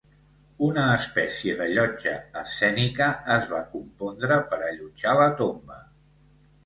Una espècie de llotja escènica es va compondre per allotjar la tomba.